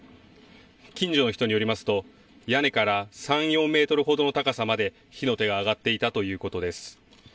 近所の人によりますと屋根から３、４メートルほどの高さまで火の手が上がっていたということです。